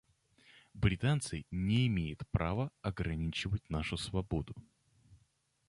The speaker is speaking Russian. Британцы не имеют права ограничивать нашу свободу.